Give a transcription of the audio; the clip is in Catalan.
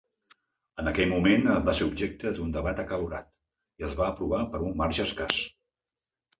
En aquell moment va ser objecte d'un debat acalorat i es va aprovar per un marge escàs.